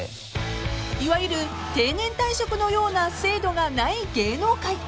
［いわゆる定年退職のような制度がない芸能界］